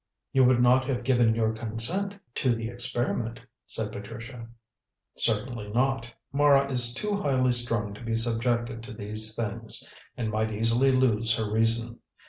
"You would not have given your consent to the experiment," said Patricia. "Certainly not. Mara is too highly strung to be subjected to these things, and might easily lose her reason.